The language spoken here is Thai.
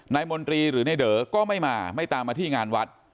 มนตรีหรือในเด๋อก็ไม่มาไม่ตามมาที่งานวัด